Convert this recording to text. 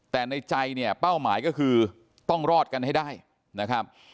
แต่ในใจเนี่ยเป้าหมายก็คือต้องรอดกันให้ได้นะครับ